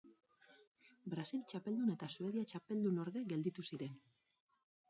Brasil txapeldun eta Suedia txapeldunorde gelditu ziren.